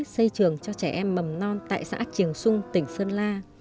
xây trường cho trẻ em mầm non tại xã triều sung tỉnh sơn la